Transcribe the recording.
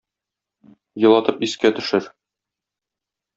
Елатып искә төшер.